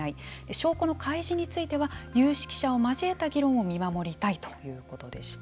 証拠の開示については有識者を交えた議論を見守りたいということでした。